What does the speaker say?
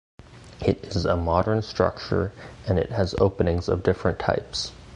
It is a modern structure and it has openings of different types.